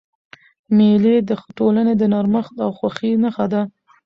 مېلې د ټولني د نرمښت او خوښۍ نخښه ده.